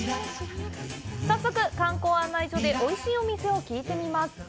早速、観光案内所でおいしいお店を聞いてみます！